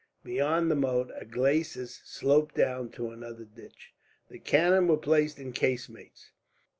Beyond the moat, a glacis sloped down to another ditch. The cannon were placed in casemates.